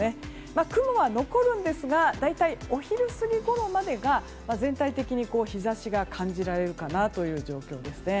雲は残るんですが大体、お昼過ぎごろまでが全体的に日差しが感じられるかなという状況ですね。